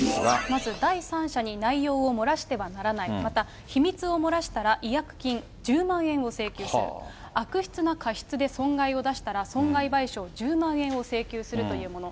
まず第三者に内容を漏らしてはならない、また秘密を漏らしたら、違約金１０万円を請求する、悪質な過失で損害を出したら、損害賠償１０万円を請求するというもの。